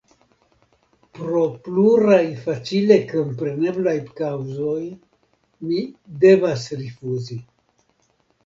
Pro pluraj facile kompreneblaj kaŭzoj mi devas rifuzi.